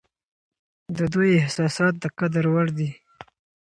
د دوی احساسات د قدر وړ دي.